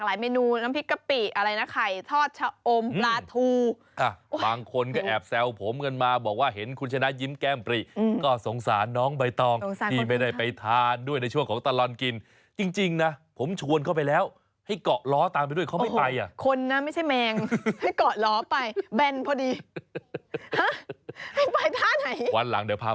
เขาประดับประดาบโบสถ์เป็นลายทงชาติไทยสวยงามมากค่ะ